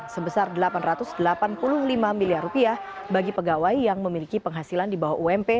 sebesar rp delapan ratus delapan puluh lima miliar bagi pegawai yang memiliki penghasilan di bawah ump